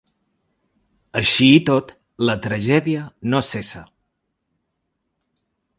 Així i tot, la tragèdia no cessa.